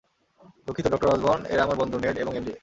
দুঃখিত, doctor Osborn, এরা আমার বন্ধু, নেড এবং এমজে।